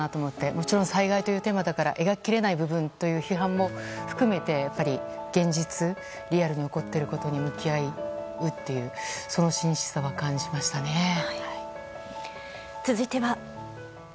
もちろん災害というテーマだから描き切れないという非難も含めて現実をリアルにとっていることと向き合うという続いては。